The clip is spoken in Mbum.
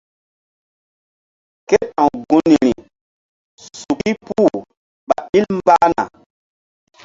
Ke ta̧w gunri suki puh ɓa ɓil mbah na.